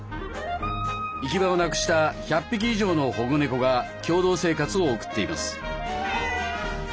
行き場をなくした１００匹以上の保護猫が共同生活を送っています。